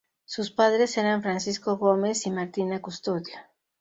Sus padres eran Francisco Gómez y Martina Custodio.